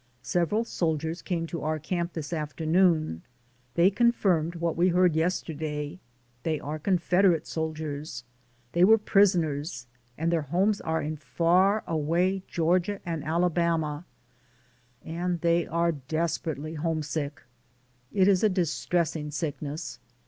Several soldiers came to our camp this afternoon; they confirmed what we heard yesterday. They are Confederate sol diers, they were prisoners, and their homes are in far away Georgia and Alabama, and they are desperately homesick. It is a dis tressing sickness.